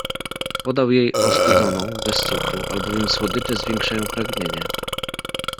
Podał jej ostudzoną, bez cukru, albowiem słodycze zwiększają pragnienie.